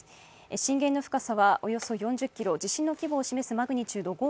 震源の深さはおよそ４０ｋｍ、地震の規模を示すマグニチュードは５。